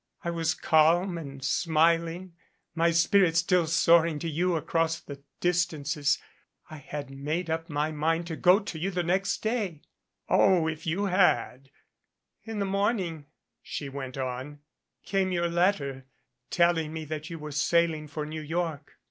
I was calm and smiling, my spirit still soaring to you across the distances. I had made up my mind to go to you the next day." "Oh, if you had !". "In the morning," she went on, "came your letter tell ing me that you were sailing for New York.